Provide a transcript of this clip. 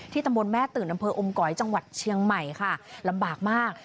ตำบลแม่ตื่นอำเภออมก๋อยจังหวัดเชียงใหม่ค่ะลำบากมาก